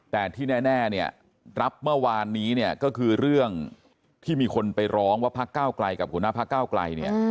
แต่ที่แน่เนี่ยรับเมื่อวานนี้เนี่ยก็คือเรื่องที่มีคนไปร้องว่าพักเก้าไกลกับหัวหน้าพักเก้าไกลเนี่ย